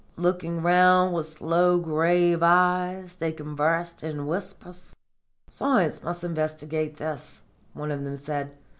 Looking round with slow, grave eyes, they conversed in whispers. 'Science must investigate this,' one of them said.